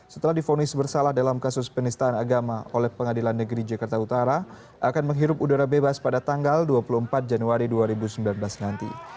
setelah difonis bersalah dalam kasus penistaan agama oleh pengadilan negeri jakarta utara akan menghirup udara bebas pada tanggal dua puluh empat januari dua ribu sembilan belas nanti